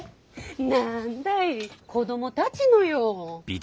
何だい子供たちのよ。